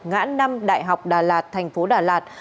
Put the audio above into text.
ngã năm đại học đà lạt thành phố đà lạt